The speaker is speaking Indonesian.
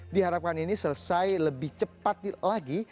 diharapkan ini selesai lebih cepat lagi